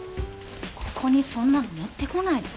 ここにそんなの持ってこないで。